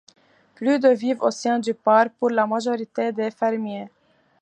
Plus de vivent au sein du parc, pour la majorité des fermiers.